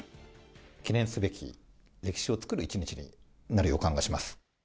記念すべき歴史を作る一日になる予感がします。